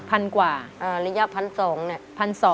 ระยะ๑๒๐๐บาท